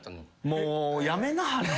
もうやめなはれ。